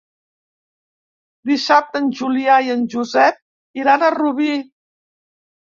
Dissabte en Julià i en Josep iran a Rubí.